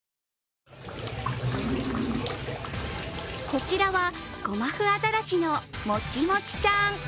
こちらはゴマフアザラシのもちもちちゃん。